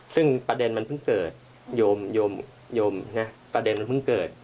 ซึ่งประเด็นมันเพลิงเกิดยมประเด็นนี้เกิด